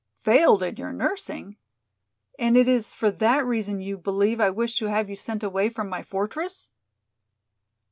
"Failed in your nursing? And it is for that reason you believe I wish to have you sent away from my fortress?"